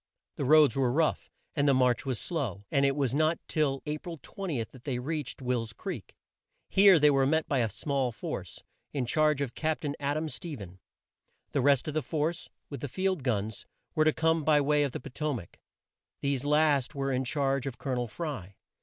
The roads were rough, and the march was slow, and it was not till A pril 20 that they reached Will's Creek. Here they were met by a small force, in charge of Cap tain Ad am Ste phen. The rest of the force, with the field guns, were to come by way of the Po to mac. These last were in charge of Col o nel Fry.